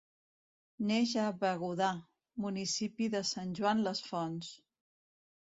Neix a Begudà, municipi de Sant Joan les Fonts.